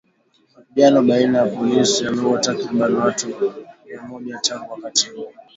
Mapigano baina ya polisi yameuwa takribani watu mia moja tangu wakati huo